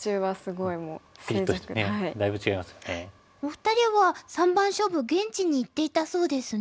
お二人は三番勝負現地に行っていたそうですね。